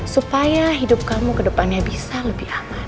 supaya hidup kamu ke depannya bisa lebih aman